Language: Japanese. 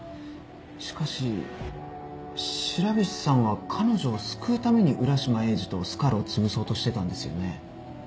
しかし白菱さんは彼女を救うために浦島エイジとスカルをつぶそうとしてたんですよね？